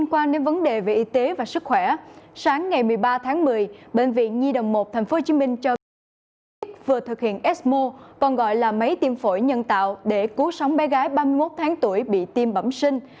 các nhà máy vừa thực hiện esmo còn gọi là máy tiêm phổi nhân tạo để cứu sống bé gái ba mươi một tháng tuổi bị tiêm bẩm sinh